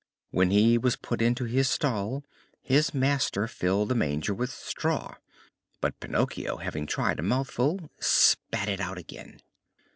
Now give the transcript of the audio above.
When he was put into his stall his master filled the manger with straw; but Pinocchio, having tried a mouthful, spat it out again.